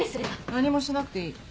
何もしなくていい。